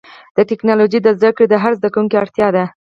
د ټکنالوجۍ زدهکړه د هر زدهکوونکي اړتیا ده.